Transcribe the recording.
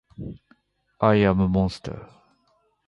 アイアムアモンスター